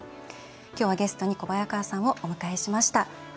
今日はゲストに小早川さんをお迎えしました。